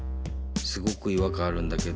すごくいわかんあるんだけど。